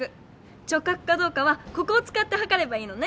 直角かどうかはここをつかってはかればいいのね？